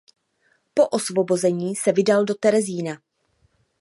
Po osvobození se vydal do Terezína.